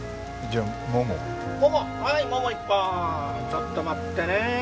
ちょっと待ってね。